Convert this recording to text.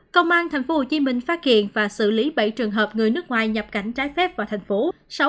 công an tp hcm phát hiện và xử lý bảy trường hợp người nước ngoài nhập cảnh trái phép vào thành phố